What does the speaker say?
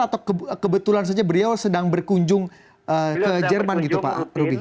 atau kebetulan saja beliau sedang berkunjung ke jerman gitu pak ruby